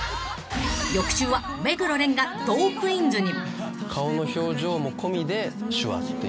［翌週は目黒蓮が『トークィーンズ』に］